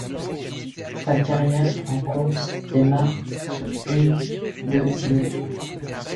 Sa carrière en course démarre sur une De Dion.